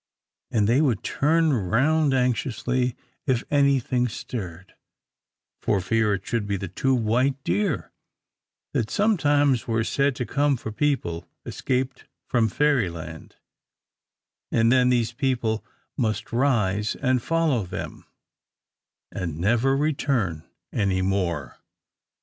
And they would turn round anxiously if anything stirred, for fear it should be the two white deer that sometimes were said to come for people escaped from Fairyland, and then these people must rise and follow them, and never return any more.